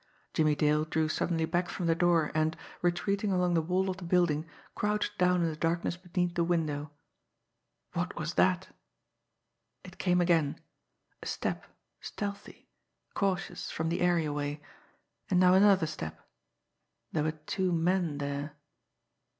Jimmie Dale drew suddenly back from the door, and, retreating along the wall of the building, crouched down in the darkness beneath the window. What was that? It came again a step, stealthy, cautious, from the areaway and now another step there were two men there.